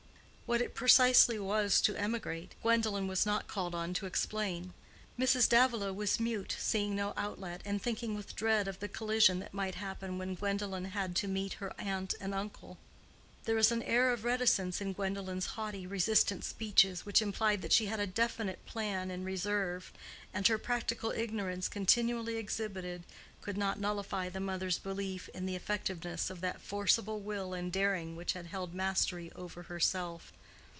What it precisely was to emigrate, Gwendolen was not called on to explain. Mrs. Davilow was mute, seeing no outlet, and thinking with dread of the collision that might happen when Gwendolen had to meet her uncle and aunt. There was an air of reticence in Gwendolen's haughty, resistant speeches which implied that she had a definite plan in reserve; and her practical ignorance continually exhibited, could not nullify the mother's belief in the effectiveness of that forcible will and daring which had held mastery over herself.